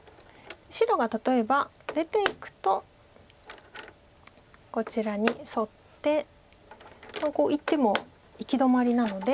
白が例えば出ていくとこちらにソッてこういっても行き止まりなので。